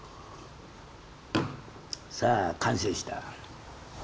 さあ完成した。